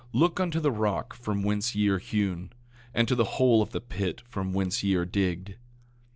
Look unto the rock from whence ye are hewn, and to the hole of the pit from whence ye are digged.